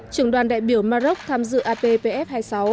trưởng đoàn đại biểu maroc tham dự appf hai mươi sáu